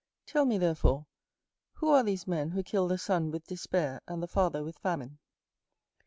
Tell me, therefore, who are these men who killed the son with despair, and the father with famine?"